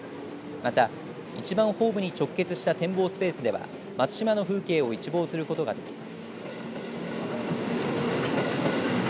また、１番ホームに直結した展望スペースでは松島の風景を一望することができます。